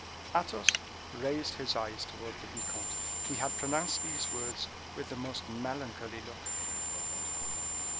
Athos raised his eyes toward the vicomte. He had pronounced these words with the most melancholy look.